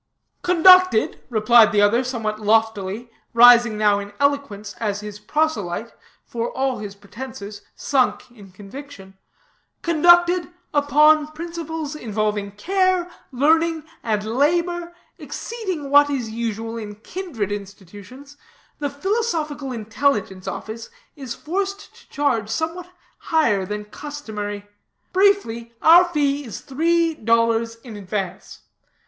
"Conducted," replied the other somewhat loftily, rising now in eloquence as his proselyte, for all his pretenses, sunk in conviction, "conducted upon principles involving care, learning, and labor, exceeding what is usual in kindred institutions, the Philosophical Intelligence Office is forced to charge somewhat higher than customary. Briefly, our fee is three dollars in advance.